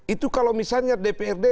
itu kalau misalnya dprd